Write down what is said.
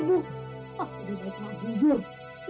aku di baik baik mak jujur